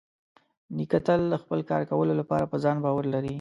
نیکه تل د خپل کار کولو لپاره په ځان باور لري.